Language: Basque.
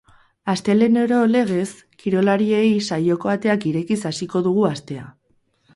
Astelehenero legez, kirolariei saioko ateak irekiz hasiko dugu astea.